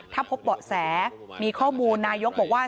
ถ้าพบเบาะแสมีข้อมูลนายกรัฐมนตรีบอกว่า